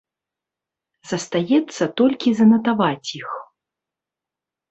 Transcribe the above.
Застаецца толькі занатаваць іх.